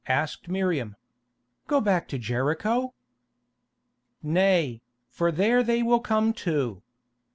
asked Miriam. "Go back to Jericho?" "Nay, for there they will come too.